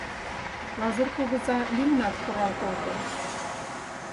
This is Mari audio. — Лазыр кугыза лӱмынак шурал колтен...